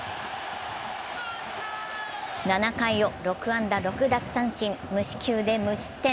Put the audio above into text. ７回を６安打６奪三振、無四球で無失点。